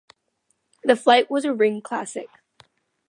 The fight was a ring classic.